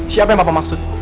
siapa yang bapak maksud